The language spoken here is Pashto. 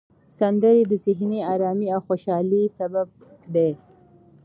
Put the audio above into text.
سندرې د ذهني آرامۍ او خوشحالۍ سبب دي.